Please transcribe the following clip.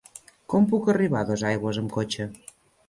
Com puc arribar a Dosaigües amb cotxe?